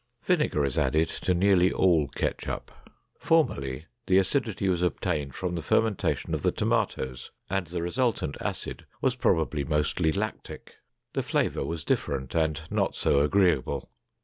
Vinegar is added to nearly all ketchup. Formerly the acidity was obtained from the fermentation of the tomatoes and the resultant acid was probably mostly lactic. The flavor was different and not so agreeable.